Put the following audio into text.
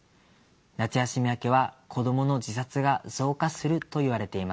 夏休み明けは子どもの自殺が増加するといわれています。